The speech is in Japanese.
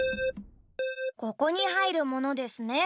ここにはいるものですね。